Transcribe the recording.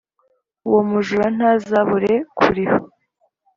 Uwo mujura ntazabure kuriha